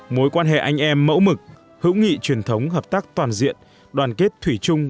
mối quan hệ anh em mẫu mực hữu nghị truyền thống hợp tác toàn diện đoàn kết thủy chung